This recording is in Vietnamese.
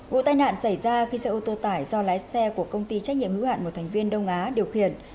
vụ tai nạn xảy ra khi xe ô tô tải do lái xe của công ty trách nhiệm hữu hạn một thành viên đông á điều khiển